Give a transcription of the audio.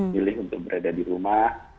pilih untuk berada di rumah